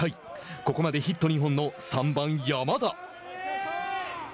ここまでヒット２本の、３番山田。